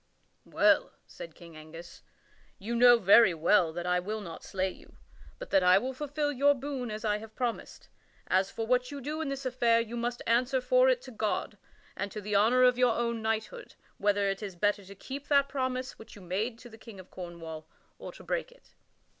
"Well," said King Angus, "you know very well that I will not slay you, but that I will fulfil your boon as I have promised. As for what you do in this affair, you must answer for it to God and to the honor of your own knighthood whether it is better to keep that promise which you made to the King of Cornwall or to break it."